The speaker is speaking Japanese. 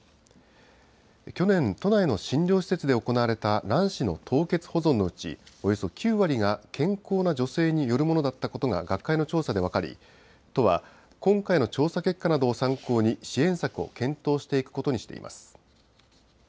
去年、都内の診療施設で行われた卵子の凍結保存のうち、およそ９割が健康な女性によるものだったことが学会の調査で分かり、都は、今回の調査結果などを参考に、支援策を検討していくことにしています。